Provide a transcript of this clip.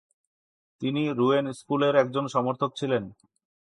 তিনি রুয়েন স্কুলের একজন সমর্থক ছিলেন।